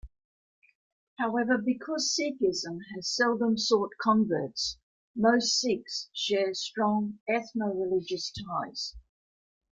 However, because Sikhism has seldom sought converts, most Sikhs share strong ethno-religious ties.